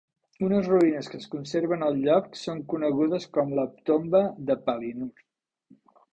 Unes ruïnes que es conserven al lloc són conegudes com la tomba de Palinur.